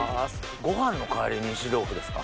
ご飯の代わりに石豆富ですか？